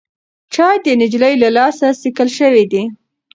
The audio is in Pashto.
چای د نجلۍ له لاسه څښل شوی دی.